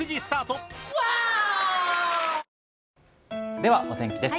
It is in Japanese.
ではお天気です。